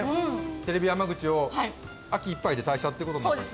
テレビ山口を秋いっぱいで退社ということですね。